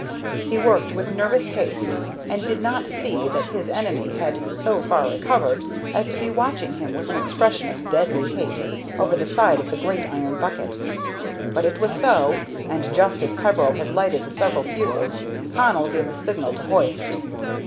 He worked with nervous haste, and did not see that his enemy had so far recovered as to be watching him with an expression of deadly hate over the side of the great iron bucket. But it was so, and, just as Peveril had lighted the several fuses, Connell gave the signal to hoist.